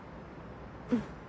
うん。